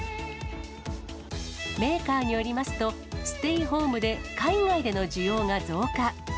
メーカーによりますと、ステイホームで海外での需要が増加。